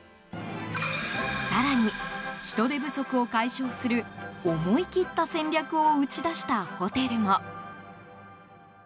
更に、人手不足を解消する思い切った戦略を打ち出したホテルも。